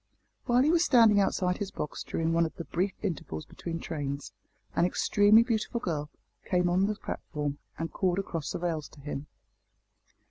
While he was standing outside his box during one of the brief intervals between trains, an extremely beautiful girl came on the platform and called across the rails to him.